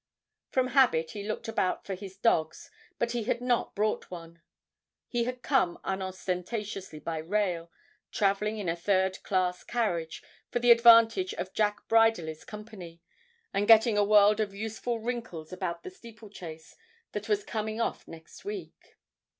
From habit he looked about for his dogs, but he had not brought one. He had come unostentatiously by rail, travelling in a third class carriage, for the advantage of Jack Briderly's company, and getting a world of useful wrinkles about the steeplechase that was coming off next week.